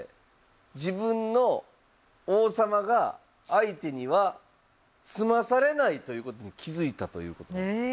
自分の王様が相手には詰まされないということに気付いたということなんですよ。